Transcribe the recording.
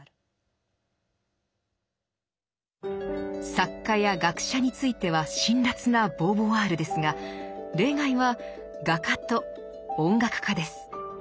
作家や学者については辛辣なボーヴォワールですが例外は画家と音楽家です。